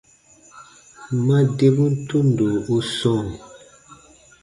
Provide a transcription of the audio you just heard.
Ma debun tundo u sɔ̃ɔ.